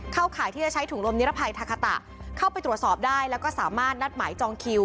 ข่ายที่จะใช้ถุงลมนิรภัยทาคาตะเข้าไปตรวจสอบได้แล้วก็สามารถนัดหมายจองคิว